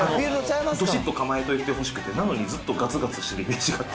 どしっと構えていてほしくて、なのにずっとがつがつしてるイメージがあって。